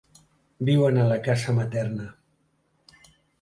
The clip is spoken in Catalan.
Viuen a la casa materna.